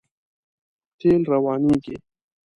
تېل روانېږي.